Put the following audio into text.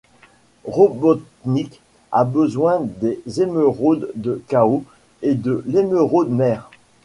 Robotnik a besoin des Émeraudes du Chaos et de l'émeraude mère.